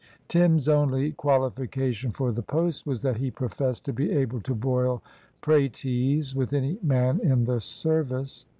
Tim's only qualification for the post was that he professed to be able to boil praties with any man in the service.